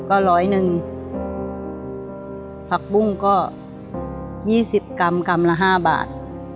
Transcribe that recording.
ก็ร้อยหนึ่งผักบุ้งก็ยี่สิบกรรมกรรมละห้าบาท